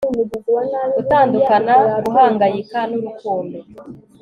gutandukana, guhangayika n'urukundo